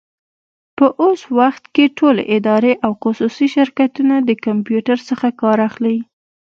په اوس وخت کي ټولي ادارې او خصوصي شرکتونه د کمپيوټر څخه کار اخلي.